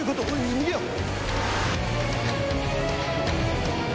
逃げよう。